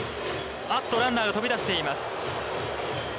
ランナーが飛び出しています。